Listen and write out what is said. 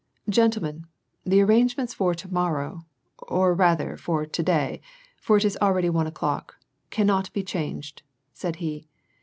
"Gentlemen, the arrangements for to morrow — or rather for to day — for it's already one o'clock — cannot be changed," said he.